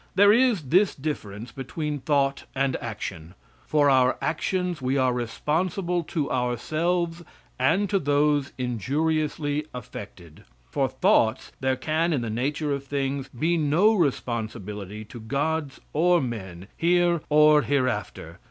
There is this difference between thought and action: For our actions we are responsible to ourselves and to those injuriously affected; for thoughts there can, in the nature of things, be no responsibility to gods or men, here or hereafter.